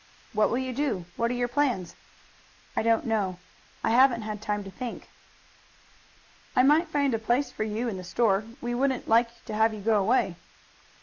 "What will you do? What are your plans?" "I don't know. I haven't had time to think." "I might find a place for you in the store. We wouldn't like to have you go away."